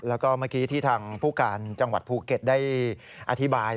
แล้วก็เมื่อกี้ที่ทางผู้การจังหวัดภูเก็ตได้อธิบาย